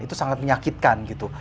itu sangat menyakitkan gitu